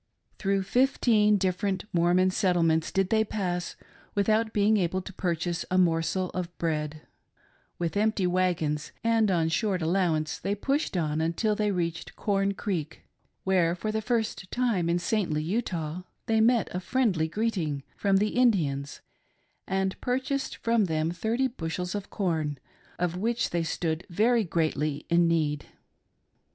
Through fifteen different Mormon settlements did they pass, without being able to purchase a morsel of bread, With empty wagons and on short allowance, they pushed on until they reached Corn Creek, where, for the first time in saintly Utah, they met a friendly greeting from the Indians and purchased from them thirty bushels of corn, of which they stood very greatly in need.